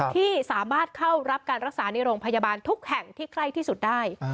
ที่สามารถเข้ารับการรักษาในโรงพยาบาลทุกแห่งที่ใกล้ที่สุดได้